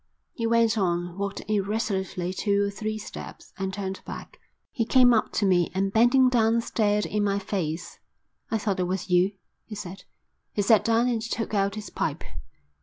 He went on, walked irresolutely two or three steps, and turned back. He came up to me and bending down stared in my face. "I thought it was you," he said. He sat down and took out his pipe.